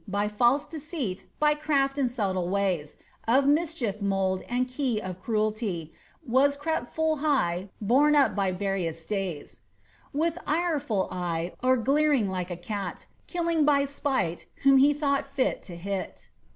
By false deceit, by crali and subtle ways. Of mischief mould and key of cruelty, Was crept full high, borne up by various stays. ••••• With ireful eyej or clearing like a cat, Killing by spite whom he thought fit to hit.'